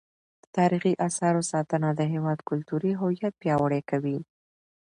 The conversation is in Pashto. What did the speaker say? د تاریخي اثارو ساتنه د هیواد کلتوري هویت پیاوړی کوي.